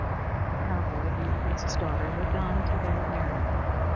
The cowboy and the prince's daughter lived on till they were married.